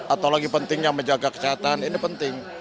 atau lagi pentingnya menjaga kesehatan ini penting